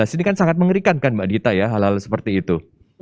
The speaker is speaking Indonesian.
ini kan sangat mengerikan kan mbak dita ya hal hal seperti itu